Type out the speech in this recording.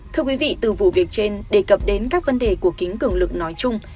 thưa quý vị từ vụ việc trên đề cập đến các vấn đề của kính cường lực nói chung